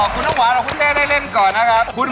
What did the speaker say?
คุณหวานคุณเจได้เล่นก่อนนะครับ